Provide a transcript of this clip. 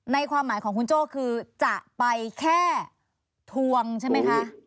ความหมายของคุณโจ้คือจะไปแค่ทวงใช่ไหมคะ